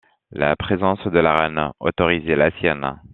La présence de la reine autorisait la sienne.